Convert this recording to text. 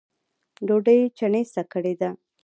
ډوډۍ چڼېسه کړې ده